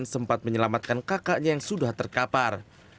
sempat menyelamatkan kakaknya yang sudah terkapar